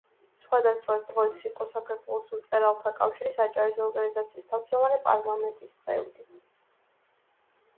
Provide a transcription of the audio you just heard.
სხვადასხვა დროს იყო საქართველოს მწერალთა კავშირის აჭარის ორგანიზაციის თავმჯდომარე, პარლამენტის წევრი.